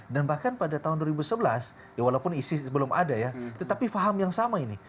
dan bahkan pada tahun dua ribu sebelas ya walaupun isis belum ada ya tetapi faham yang sama ini